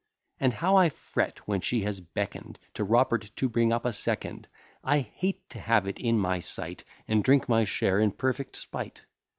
Ask how I fret when she has beckon'd To Robert to bring up a second; I hate to have it in my sight, And drink my share in perfect spite.